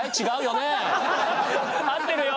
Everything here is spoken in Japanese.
合ってるよ！